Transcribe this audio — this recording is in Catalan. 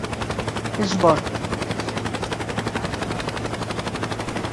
Els boscos cobreixen una cinquena part de l'àrea total.